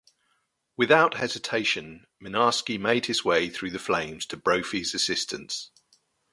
Without hesitation, Mynarski made his way through the flames to Brophy's assistance.